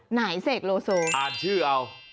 เสกโลโซอ่านชื่อเอา